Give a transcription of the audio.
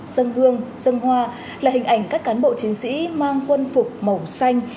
dân hương dân hoa là hình ảnh các cán bộ chiến sĩ mang quân phục màu xanh